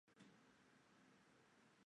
属邕州羁縻。